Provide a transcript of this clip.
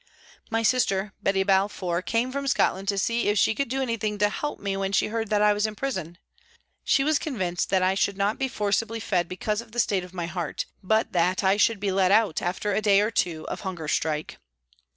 My sister, Betty Balfour, came from Scotland to see if she could do anything to help me when she heard that I was in prison. She was convinced that I should not be forcibly fed because of the state of my heart, but that I should be let out after a day or two of hunger strike.